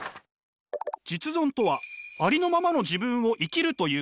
実存とはありのままの自分を生きるということ。